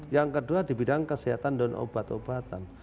yang kedua di bidang kesehatan dan obat obatan